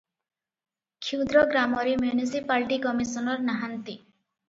କ୍ଷୁଦ୍ର ଗ୍ରାମରେ municipality commissioner ନାହାନ୍ତି ।